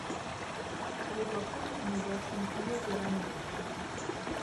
Але пакуль мы бачым не перамены.